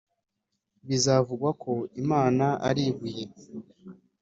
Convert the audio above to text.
bizavugwa ko imana ari ibuye.